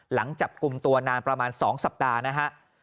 หลังจับกลุ่มตัวนานประมาณ๒สัปดาห์นะฮะ